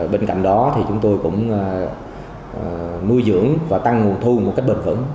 bên cạnh đó thì chúng tôi cũng nuôi dưỡng và tăng nguồn thu một cách bền vững